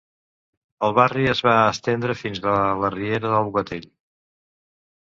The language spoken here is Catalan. El barri es va estendre fins a la riera del Bogatell.